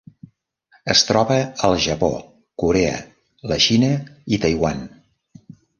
Es troba al Japó, Corea, la Xina i Taiwan.